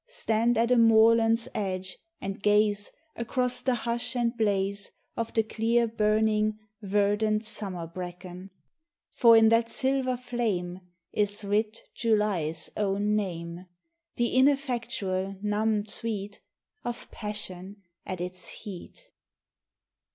Stand at a moorland's edge and gaze Across the hush and blaze Of the clear burning, verdant summer bracken ; For in that silver flame Is writ July's own name — The ineffectual, numbed sweet Of passion at its heat.